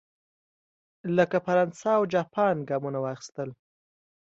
لکه فرانسه او جاپان ګامونه واخیستل.